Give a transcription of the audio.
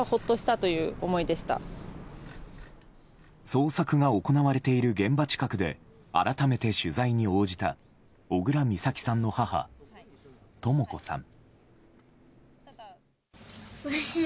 捜索が行われている現場近くで改めて取材に応じた小倉美咲さんの母とも子さん。